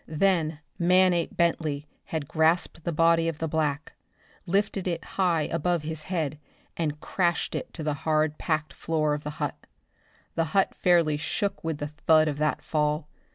Then Manape Bentley had grasped the body of the black, lifted it high above his head, and crashed it to the hard packed floor of the hut. The hut fairly shook with the thud of that fall.